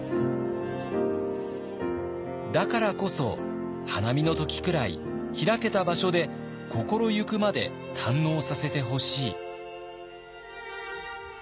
だからこそ花見の時くらい開けた場所で心行くまで堪能させてほしい。